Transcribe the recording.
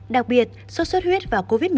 đặc biệt sốt huyết và covid một mươi chín